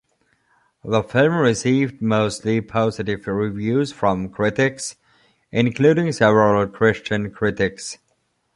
The film received mostly positive reviews from critics, including several Christian critics.